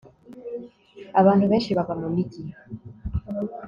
abantu benshi baba mumijyi